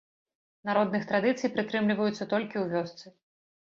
Народных традыцый прытрымліваюцца толькі ў вёсцы.